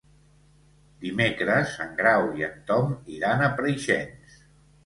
Dimecres en Grau i en Tom iran a Preixens.